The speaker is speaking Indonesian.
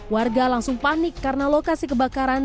warga langsung panik karena lokasi kebakaran